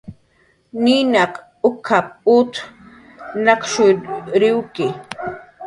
"Ninaq uk""ap"" ut nakshuriwki"